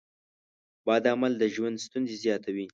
بد عمل د ژوند ستونزې زیاتوي.